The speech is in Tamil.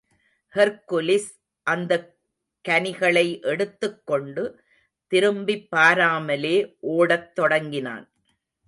ஹெர்க் குலிஸ், அந்தக் கனிகளை எடுத்துக் கொண்டு, திரும்பிப் பாராமலே ஓடத் தொடங்கினான்.